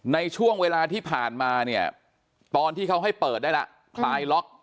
ในช่วงเวลาที่ผ่านมาเนี่ยตอนที่เขาให้เปิดได้ละคลายล็อก